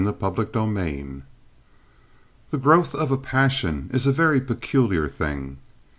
Chapter XIX The growth of a passion is a very peculiar thing.